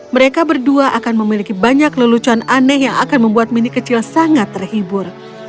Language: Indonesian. mereka berdua akan memiliki banyak lelucon aneh yang akan membuat mini kecil sangat terhibur